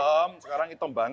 oh hitam sekarang hitam banget ini